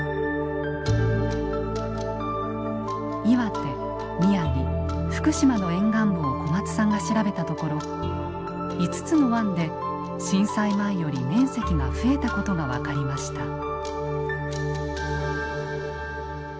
岩手宮城福島の沿岸部を小松さんが調べたところ５つの湾で震災前より面積が増えたことが分かりました。